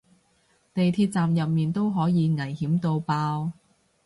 地鐵站入面都可以危險到爆